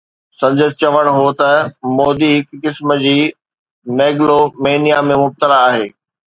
سندس چوڻ هو ته مودي هڪ قسم جي ميگلومينيا ۾ مبتلا آهي.